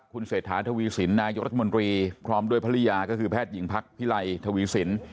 คุณเศรษฐาทวีสินนายกรัฐมนตรีพร้อมด้วยภรรยาก็คือแพทย์หญิงพักพิไลทวีสิน